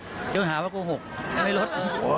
แต่ว่าผมชอบย้อนหาว่ากลง๖ไม่รถ